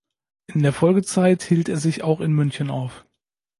In der Folgezeit hielt er sich auch in München auf.